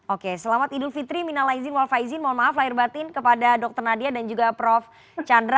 oke selamat idul fitri minala izin walfa izin mohon maaf lahir batin kepada dr nadia dan juga prof chandra